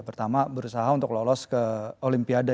pertama berusaha untuk lolos ke olimpiade